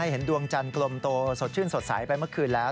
เห็นดวงจันทร์กลมโตสดชื่นสดใสไปเมื่อคืนแล้ว